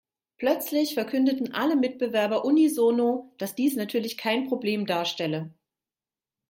Plötzlich verkündeten alle Mitbewerber unisono, dass dies natürlich kein Problem darstelle.